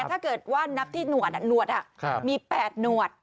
ถ้าเกิดว่านับที่หนวดหนวดมี๘หนวด